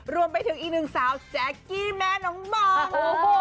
รวมไปถึงอีกหนึ่งสาวแจ๊กกี้แม่น้องบอง